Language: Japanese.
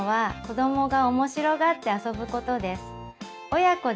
親子で